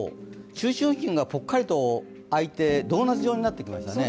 中心付近がぽっかりとあいてドーナツ状になってきましたね。